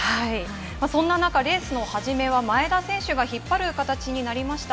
そんな中、レースの初めは前田選手が引っ張る形になりました。